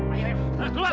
ayo harus keluar